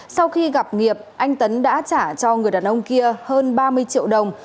sau khi gặp nghiệp anh tấn đã trả cho người đàn ông kia hơn ba mươi triệu đồng